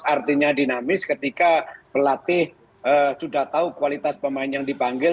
artinya dinamis ketika pelatih sudah tahu kualitas pemain yang dipanggil